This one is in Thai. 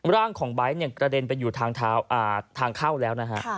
ร่างของไบท์เนี่ยกระเด็นไปอยู่ทางเข้าแล้วนะฮะ